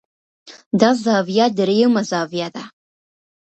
دا زاويه درېيمه زاويه ده